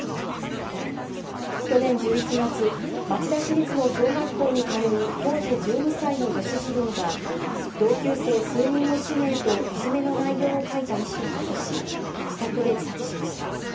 去年１１月、町田市立の小学校に通う当時１２歳の女子児童が同級生数人の氏名といじめの内容を書いた遺書を残し、自宅で自殺しました。